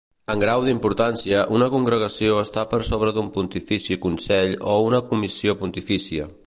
En grau d'importància una congregació està per sobre d'un pontifici consell o una comissió pontifícia.